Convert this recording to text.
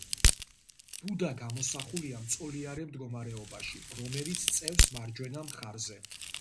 ბუდა გამოსახულია მწოლიარე მდგომარეობაში, რომელიც წევს მარჯვენა მხარზე.